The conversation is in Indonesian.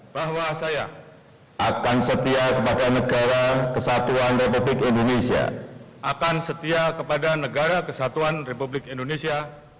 bahwa saya akan setia kepada negara kesatuan republik indonesia